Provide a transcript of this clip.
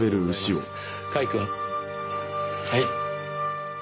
はい。